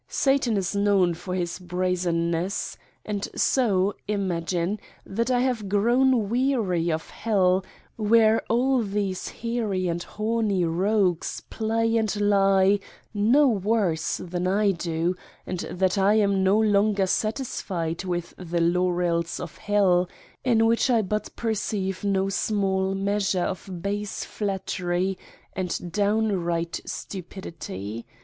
Satan is known for his brazenness. And so, imagine, that I have grown weary of Hell where all these hairy and horny rogues play and lie no worse than I do, and that I am no longer satisfied with the laurels of Hell, in which I but perceive no small measure of base flattery and downright stupidity.